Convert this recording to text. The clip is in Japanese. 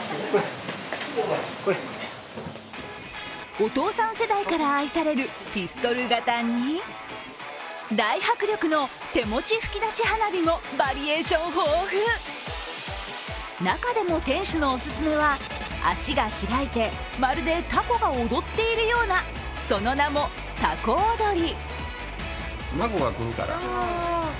お父さん世代から愛されるピストル型に大迫力の手持ち噴出花火もバリエーション豊富中でも店主のおすすめは足が開いてまるでたこが踊っているような、その名も、たこおどり。